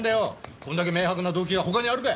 こんだけ明白な動機が他にあるかい！